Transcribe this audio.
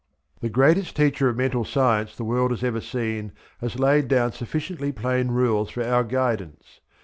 The greatest Teacher of Mental Science the world has ever seen has laid down sufficiently plain rules for our guidance.